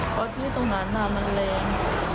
เพราะที่ตรงนั้นมันแรง